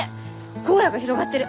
荒野が広がってる！